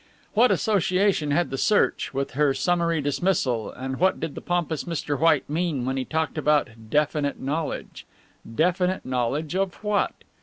What association had the search with her summary dismissal and what did the pompous Mr. White mean when he talked about definite knowledge? Definite knowledge of what?